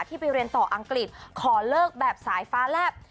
ไปเรียนต่ออังกฤษขอเลิกแบบสายฟ้าแลบ